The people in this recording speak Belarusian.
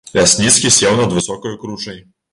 Лясніцкі сеў над высокаю кручай.